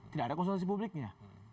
tidak ada konsultasi publiknya